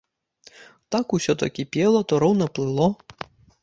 Так усё то кіпела, то роўна плыло.